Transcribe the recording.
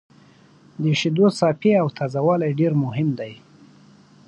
د شیدو صافي او تازه والی ډېر مهم دی.